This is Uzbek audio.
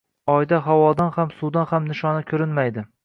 Oyda havodan ham, suvdan ham nishona ko‘rinmaydi